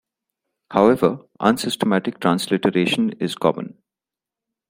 However, unsystematic transliteration is common.